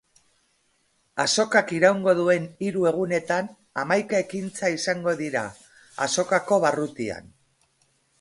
Azokak iraungo duen hiru egunetan hamaika ekintza izango dira azokako barrutian.